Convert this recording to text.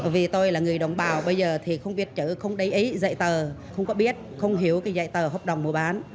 vì tôi là người đồng bào bây giờ thì không viết chữ không đầy ý dạy tờ không có biết không hiểu cái dạy tờ hợp đồng mua bán